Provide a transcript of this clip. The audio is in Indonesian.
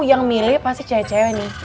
yang milih pasti cewe cewe nih